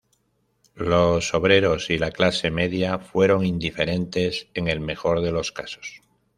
Los obreros y la clase media fueron indiferentes en el mejor de los casos.